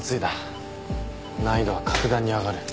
難易度は格段に上がる。